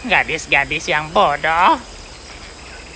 gadis gadis yang bodoh